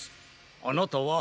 あなたは？